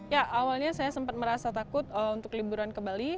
ya awalnya saya sempat merasa takut untuk liburan ke bali